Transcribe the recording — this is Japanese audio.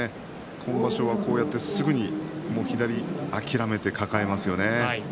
今場所は、こうやってすぐに左、諦めて抱えますよね。